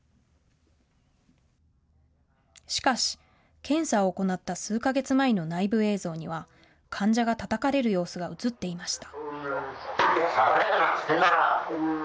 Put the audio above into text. しかし検査を行った数か月前の内部映像には患者がたたかれる様子が映っていました。